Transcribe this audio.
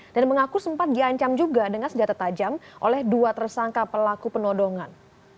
dan mengaku sempat diancam juga dengan senjata tajam oleh dua tersangka pelaku penodongan